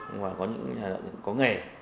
ngoài có những nhà đạo diễn có nghề